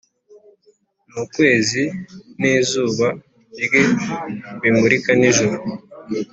Nukwezi nizuba rye bimurika nijoro